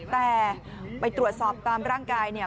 แต่ไปตรวจสอบตามร่างกายเนี่ย